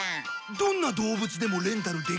どんな動物でもレンタルできるのか？